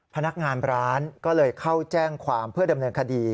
พนักงานร้านก็เลยเข้าแจ้งความเพื่อดำเนินคดี